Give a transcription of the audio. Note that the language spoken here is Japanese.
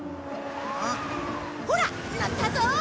ほらのったぞ！